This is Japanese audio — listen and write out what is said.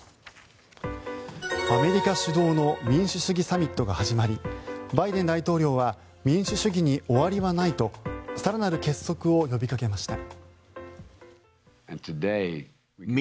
アメリカ主導の民主主義サミットが始まりバイデン大統領は民主主義に終わりはないと更なる結束を呼びかけました。